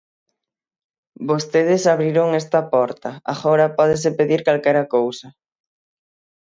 Vostedes abriron esta porta, agora pódese pedir calquera cousa.